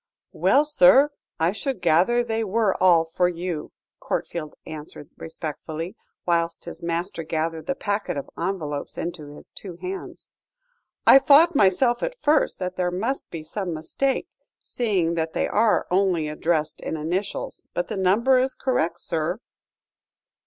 "Well, sir, I should gather they were all for you," Courtfield answered respectfully, whilst his master gathered the packet of envelopes into his two hands. "I thought myself at first that there must be some mistake, seeing that they are only addressed in initials. But the number is correct, sir."